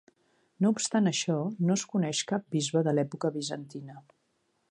No obstant això, no es coneix cap bisbe de l'època bizantina.